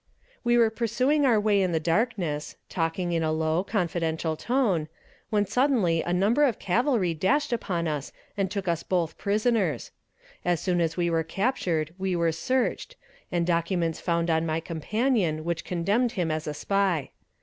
We were pursuing our way in the darkness, talking in a low, confidential tone, when suddenly a number of cavalry dashed upon us and took us both prisoners. As soon as we were captured we were searched, and documents found on my companion which condemned him as a spy.